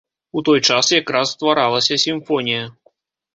У той час якраз стваралася сімфонія.